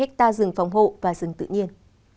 một mươi năm ha rừng phòng hộ và rừng tự nhiên